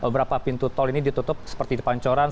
berapa pintu tol ini ditutup seperti pancoran